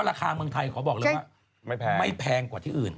ราคาเมืองไทยขอบอกเลยว่าไม่แพงกว่าที่อื่น